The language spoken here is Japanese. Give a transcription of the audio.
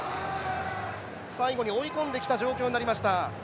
最後に追い込んできた状況になりました。